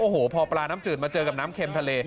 โอ้โหพอปลาน้ำจืดมาเจอกับน้ำเค็มทะเล